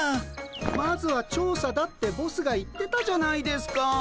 まずは調査だってボスが言ってたじゃないですか。